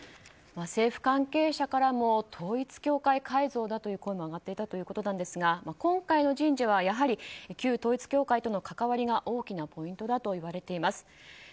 政府関係者からも統一教会改造だという声も上がっていたということですが今回の人事はやはり旧統一教会との関わりが大きなポイントだといわれています。